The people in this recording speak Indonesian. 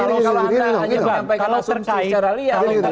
kalau anda menyampaikan asumsi secara liar